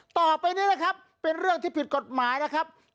ต่อไปนี้นะครับเป็นเรื่องที่ผิดกฎหมายนะครับ